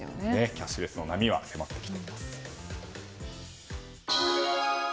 キャッシュレスの波は迫ってきています。